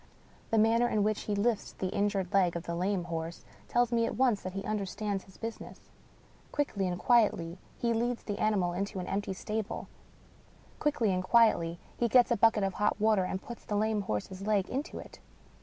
The manner in which he lifts the in jured leg of the lame horse tells me at once that he under stands his business. Quickly and quietly, he leads the ani mal into an empty stable; quickly and quietly, he gets a bucket of hot water, and puts the lame horse's leg into it.